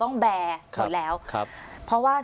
อันดับที่สุดท้าย